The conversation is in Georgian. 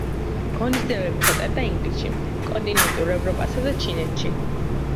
ღონისძიებები ჩატარდა ინგლისში, კონტინენტურ ევროპასა და ჩინეთში.